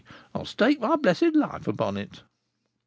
I'll stake my blessed life upon it."